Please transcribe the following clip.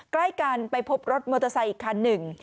ใกล้กันไปพบรถมอเตอร์ไซค์อีกคันหนึ่ง